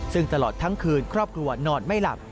ซึ่งตลอดทั้งคืนครอบครัวนอนไม่หลับ